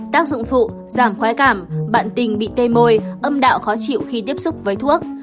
tác dụng phụ giảm khoái cảm bận tình bị tê môi âm đạo khó chịu khi tiếp xúc với thuốc